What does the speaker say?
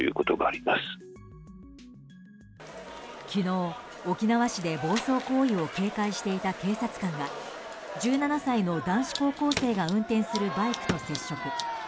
昨日、沖縄市で暴走行為を警戒していた警察官が１７歳の男子高校生が運転するバイクと接触。